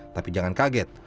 tapi jangan kaget